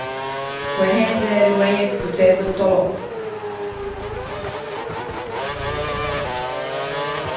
وَهَذَا رِوَايَةُ كِتَابِ الطَّلَاقِ